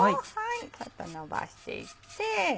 ちょっとのばしていって。